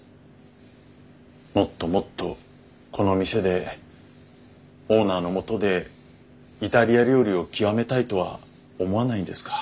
もっともっとこの店でオーナーのもとでイタリア料理を極めたいとは思わないんですか？